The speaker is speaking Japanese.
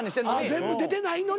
全部出てないのに。